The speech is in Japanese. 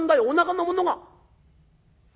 おなかのものが。